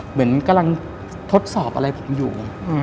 เหมือนกำลังทดสอบอะไรผมอยู่